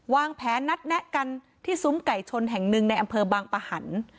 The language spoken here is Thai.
วางแผนนัดแนะกันที่ซุ้มไก่ชนแห่งหนึ่งในอำเภอบางปะหัน